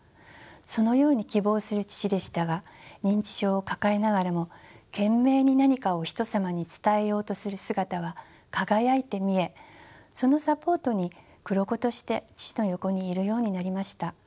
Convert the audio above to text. そのように希望する父でしたが認知症を抱えながらも懸命に何かをひとさまに伝えようとする姿は輝いて見えそのサポートに黒子として父の横にいるようになりました。